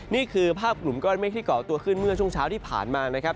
นี่คือภาพกลุ่มก้อนเมฆที่เกาะตัวขึ้นเมื่อช่วงเช้าที่ผ่านมานะครับ